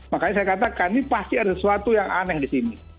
makanya saya katakan ini pasti ada sesuatu yang aneh di sini